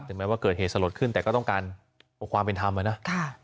แม้ว่าเกิดเหตุสลดขึ้นแต่ก็ต้องการความเป็นธรรมนะ